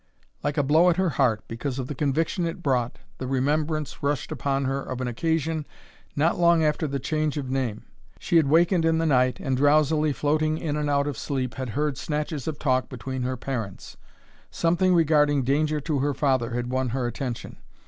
Like a blow at her heart, because of the conviction it brought, the remembrance rushed upon her of an occasion not long after the change of name. She had wakened in the night and, drowsily floating in and out of sleep, had heard snatches of talk between her parents. Something regarding danger to her father had won her attention.